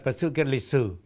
và sự kiện lịch sử